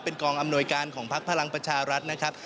กองอำนวยการของพักพลังประชารัฐนะครับ